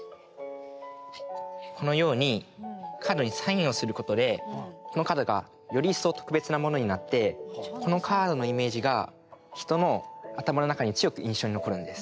このようにカードにサインをすることでこのカードがより一層特別なものになってこのカードのイメージが人の頭の中に強く印象に残るんです。